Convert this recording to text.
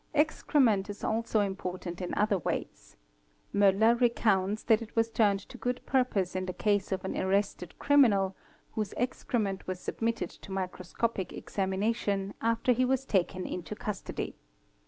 Excrement is also important in other ways. Mller recounts that it was turned to good purpose in the case of an arrested criminal whose excrement was submitted to microscopic examination after he was taken into custody.